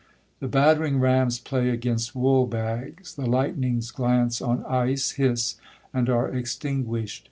The battering rams play against wool bags,—the lightnings glance on ice, hiss, and are extinguished.